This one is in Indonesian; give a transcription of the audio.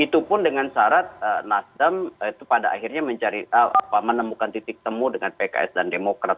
itu pun dengan syarat nasdem itu pada akhirnya menemukan titik temu dengan pks dan demokrat